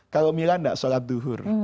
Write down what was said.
kalau mila tidak sholat duhur